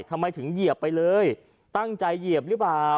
ทำไมถึงเหยียบไปเลยตั้งใจเหยียบหรือเปล่า